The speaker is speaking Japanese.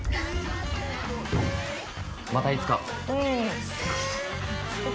またいつか。